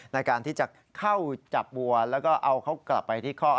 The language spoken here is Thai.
ในการที่จะเข้าจับวัวแล้วก็เอาเขากลับไปที่ข้อ